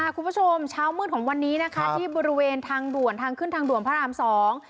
คุณผู้ชมเช้ามืดของวันนี้นะคะที่บริเวณทางด่วนทางขึ้นทางด่วนพระรามสอง